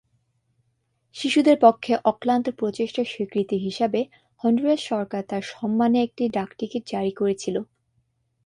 শিশুদের পক্ষে অক্লান্ত প্রচেষ্টার স্বীকৃতি হিসাবে হন্ডুরাস সরকার তার সম্মানে একটি ডাকটিকিট জারি করেছিল।